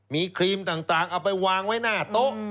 มีครีมต่างเอาไปวางไว้หน้าโต๊ะ